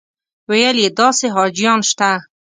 ویل یې داسې حاجیان شته.